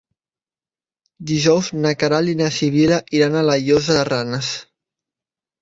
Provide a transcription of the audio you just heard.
Dijous na Queralt i na Sibil·la iran a la Llosa de Ranes.